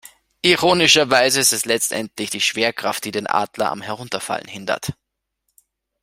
Ironischerweise ist es letztendlich die Schwerkraft, die den Adler am Herunterfallen hindert.